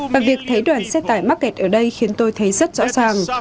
và việc thấy đoàn xe tải mắc kẹt ở đây khiến tôi thấy rất rõ ràng